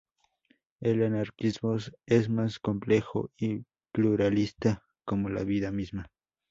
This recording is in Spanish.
El anarquismo es más complejo y pluralista, como la vida misma.